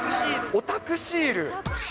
オタクシール？